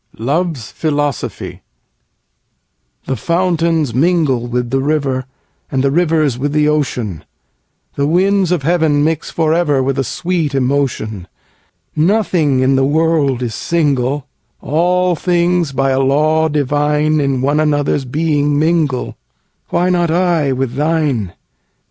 Love's Philosophy THE FOUNTAINS mingle with the riverAnd the rivers with the ocean, The winds of heaven mix for everWith a sweet emotion; Nothing in the world is single, All things by a law divineIn one another's being mingle—Why not I with thine?